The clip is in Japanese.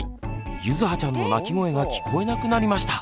ゆずはちゃんの泣き声が聞こえなくなりました。